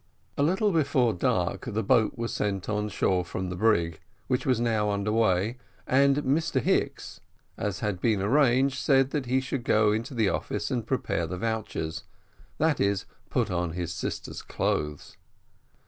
A little before dark, the boat was sent on shore from the brig, which was now under way, and Mr Hicks, as had been agreed, said that he should go into the office and prepare the vouchers that is, put on his sister's clothes.